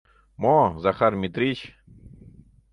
— Мо «Захар Митрич»!